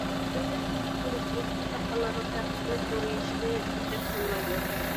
دۆلەت تۈرلۈك مۈلۈكچىلىكتىكى كارخانىلارنىڭ تەرەققىي قىلىپ زورىيىشىنى بىردەك قوللايدۇ.